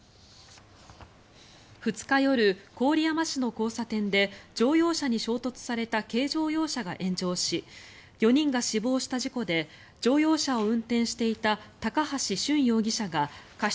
２日夜、郡山市の交差点で乗用車に衝突された軽乗用車が炎上し４人が死亡した事故で乗用車を運転していた高橋俊容疑者が過失